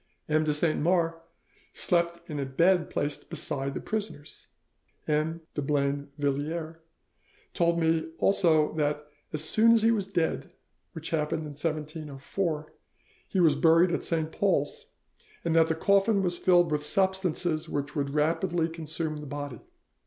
M. de Saint Mars slept in a bed placed beside the prisoner's. M. de Blainvilliers told me also that 'as soon as he was dead, which happened in 1704, he was buried at Saint Paul's,' and that 'the coffin was filled with substances which would rapidly consume the body.